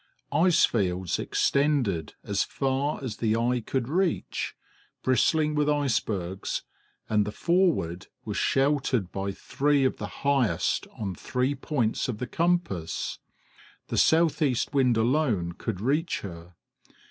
Ice fields extended as far as the eye could reach, bristling with icebergs, and the Forward was sheltered by three of the highest on three points of the compass; the south east wind alone could reach her.